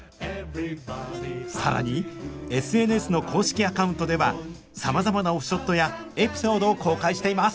更にＳＮＳの公式アカウントではさまざまなオフショットやエピソードを公開しています！